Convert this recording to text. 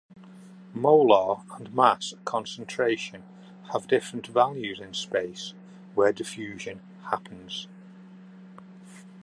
Molar and mass concentration have different values in space where diffusion happens.